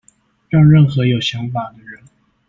讓任何有想法的人